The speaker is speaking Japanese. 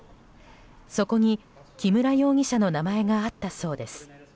そこに木村容疑者の名前があったそうです。